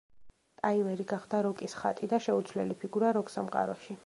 ტაილერი გახდა როკის ხატი და შეუცვლელი ფიგურა როკ სამყაროში.